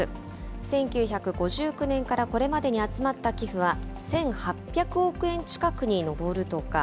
１９５９年からこれまでに集まった寄付は１８００億円近くに上るとか。